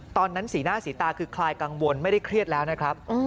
สีหน้าสีตาคือคลายกังวลไม่ได้เครียดแล้วนะครับ